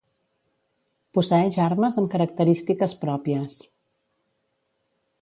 Posseeix armes amb característiques pròpies.